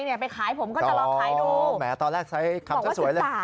หมายถึงตอนแรกใช้คำสวยเลย